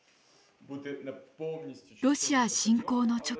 ロシア侵攻の直後